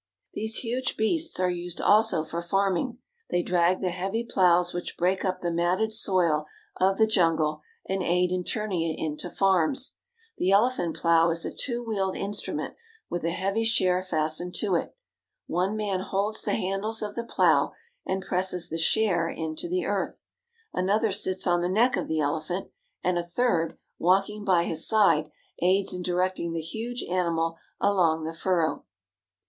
These huge beasts are used also for farming. They drag the heavy plows which break up the matted soil of the jungle, and aid in turning it into farms. The elephant plow is a two wheeled instrument with a heavy share fastened to it. One man holds the handles of the plow and presses the share into the earth. Another sits on the neck of the elephant, and a third, walking by his side, aids in directing the huge animal along the furrow.